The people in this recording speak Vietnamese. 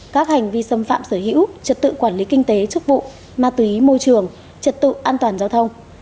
các hành vi xâm phạm sở hữu trật tự quản lý kinh tế chức vụ ma túy môi trường trật tự an toàn giao thông